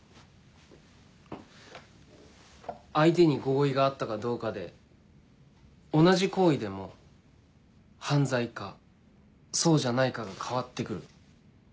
相手に合意があったかどうかで同じ行為でも犯罪かそうじゃないかが変わって来る。